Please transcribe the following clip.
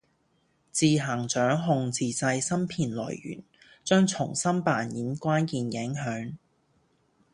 自行掌控自制芯片來源，將重新扮演關鍵影響。